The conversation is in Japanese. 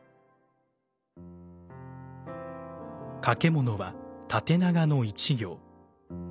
掛物は縦長の一行。